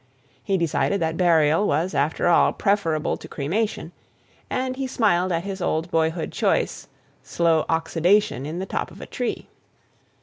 He decided that burial was after all preferable to cremation, and he smiled at his old boyhood choice, slow oxidation in the top of a tree.